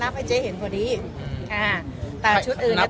ป้าพัทเจ้าของโรตเตอรี่อยู่ซ้ายมือเจ๊เกียว